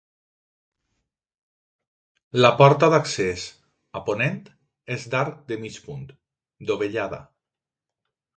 La porta d'accés, a ponent, és d'arc de mig punt, dovellada.